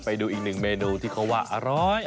ไปดูอีกหนึ่งเมนูที่เขาว่าอร่อย